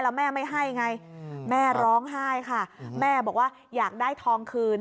แล้วแม่ไม่ให้ไงแม่ร้องไห้ค่ะแม่บอกว่าอยากได้ทองคืน